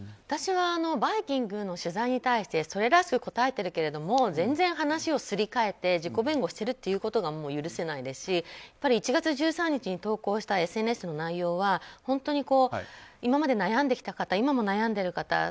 私は「バイキング」の取材に対してそれらしく答えてるけれども全然話をすり替えて自己弁護してるということが許せないですし１月１３日に投稿したＳＮＳの内容は今まで悩んできた方今も悩んでいる方